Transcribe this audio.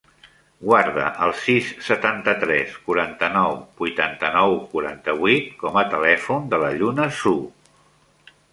Guarda el sis, setanta-tres, quaranta-nou, vuitanta-nou, quaranta-vuit com a telèfon de la Lluna Zhu.